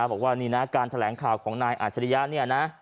บอกว่านี่นะการแถลงข่าวของนายอาจริยะเนี่ยนะ